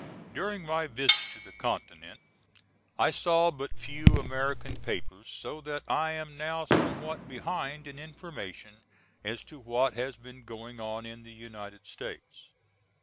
During my visit to the Continent I saw but few American papers so that I am now somewhat behind in information as to what has been going on in the United States.